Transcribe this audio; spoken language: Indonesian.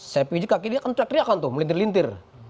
saya pijit kakinya dia kan teriakan tuh melintir lintir